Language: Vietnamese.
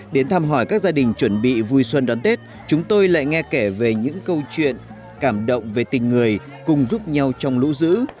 đến thăm hỏi các gia đình chuẩn bị vui xuân đón tết chúng tôi lại nghe kể về những câu chuyện cảm động về tình người cùng giúp nhau trong lũ dữ